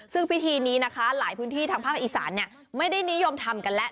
ซึ่งพิธีนี้นะคะหลายพื้นที่ทางภาคอีสานไม่ได้นิยมทำกันแล้ว